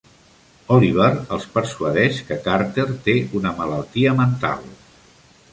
Oliver els persuadeix que Carter té una malaltia mental.